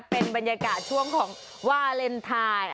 เป็นบรรยากาศช่วงของวาเลนไทย